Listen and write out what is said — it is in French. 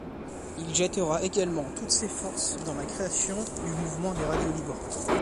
Il jettera également toutes ses forces dans la création du mouvement des radios libres.